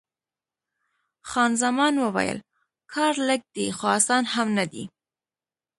خان زمان وویل: کار لږ دی، خو اسان هم نه دی.